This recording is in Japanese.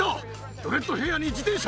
ドレッドヘアに自転車。